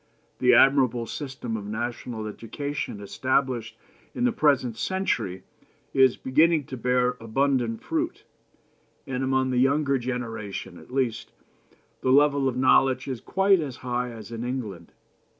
The admirable system of national education established in the present century is beginning to bear abundant fruit, and, among the younger generation at least, the level of knowledge is quite as high as in England.